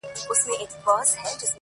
او د قبرونو پر کږو جنډيو؛